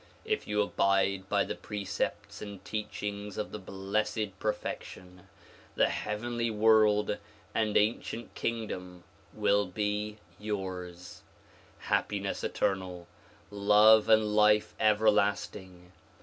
If you abide by the precepts and teachings of the Blessed Perfection the heavenly world and ancient kingdom will be yours ; happiness eternal, love and life everlasting.